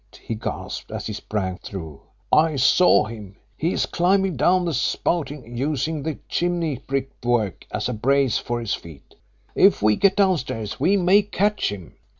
he gasped, as he sprang through. "I saw him. He is climbing down the spouting, using the chimney brickwork as a brace for his feet. If we get downstairs we may catch him."